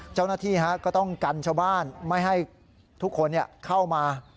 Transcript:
เจ้าหน้าที่ก็ต้องกันชาวบ้านไม่ให้ทุกคนเข้ามา